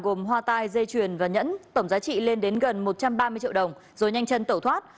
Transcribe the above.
gồm hoa tai dây chuyền và nhẫn tổng giá trị lên đến gần một trăm ba mươi triệu đồng rồi nhanh chân tẩu thoát